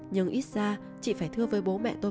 nhưng ít ra chị phải thưa với bố mẹ tôi